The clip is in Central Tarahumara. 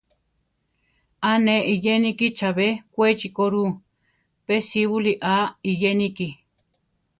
‘A ne iyéniki chabé Kwéchi ko rʼu; pe síbuli aa iyéniki.